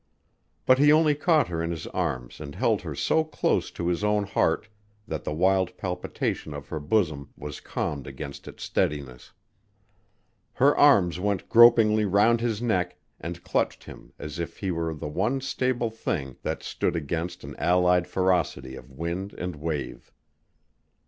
But he only caught her in his arms and held her so close to his own heart that the wild palpitation of her bosom was calmed against its steadiness. Her arms went gropingly round his neck and clutched him as if he were the one stable thing that stood against an allied ferocity of wind and wave.